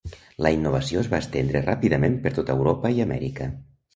La innovació es va estendre ràpidament per tota Europa i Amèrica.